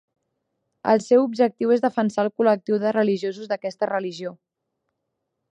El seu objectiu és defensar el col·lectiu de religiosos d'aquesta religió.